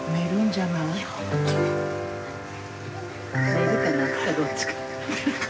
寝るか泣くかどっちか。